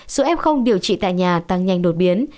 số f điều trị tại nhà tăng nhanh đột biến